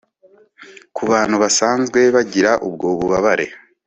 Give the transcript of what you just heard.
ku bantu basazwe bagira ubwo bubabare